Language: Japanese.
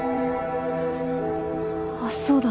あっそうだ。